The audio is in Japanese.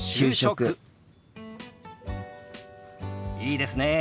いいですねえ。